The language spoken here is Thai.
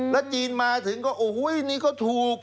และจีนมาถึงค่ะโอ้โฮอันนี้ก็ถูก